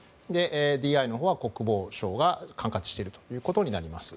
ＤＩのほうは国防省が管轄していることになります。